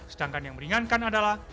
sedangkan yang meringankan adalah